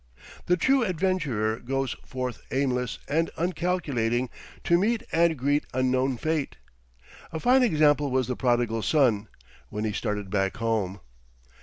The true adventurer goes forth aimless and uncalculating to meet and greet unknown fate. A fine example was the Prodigal Son—when he started back home.